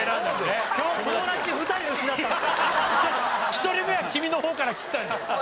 １人目は君の方から切ったんじゃん。